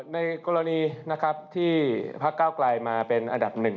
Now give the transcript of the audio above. ในกรณีนะครับที่ภาคเก้าไกลมาเป็นอัดับ๑